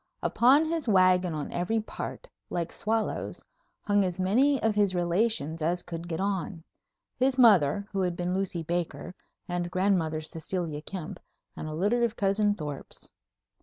Upon his wagon on every part, like swallows, hung as many of his relations as could get on. His mother, who had been Lucy Baker, and grandmother Cecilia Kempe, and a litter of cousin Thorpes.